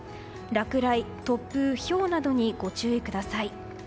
落雷、突風、ひょうなどにご注意ください。